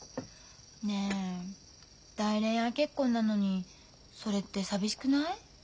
ねえ大恋愛結婚なのにそれって寂しくない？